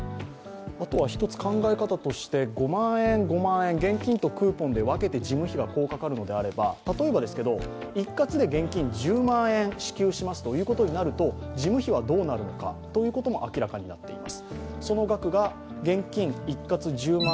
一つ考え方として５万円、５万円って分けて事務費がこうかかるのであれば、例えば一括で現金１０万円支給するということになると事務費はどうなるかというのも明らかになっています。